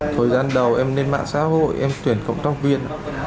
thời gian đầu em lên mạng xã hội em tuyển cộng tác viên